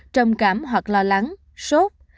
trầm cảm hoặc lo lắng sốt